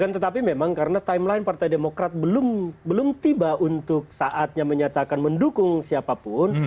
tetapi memang karena timeline partai demokrat belum tiba untuk saatnya menyatakan mendukung siapapun